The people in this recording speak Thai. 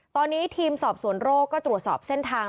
ตอนนี้ทีมสอบสวนโรคก็ตรวจสอบเส้นทาง